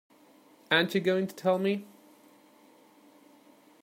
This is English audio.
Aren't you going to tell me?